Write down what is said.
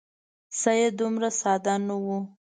سید دومره ساده نه وو.